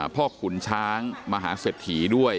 พ่อขุนช้างมหาเสดถีด้วย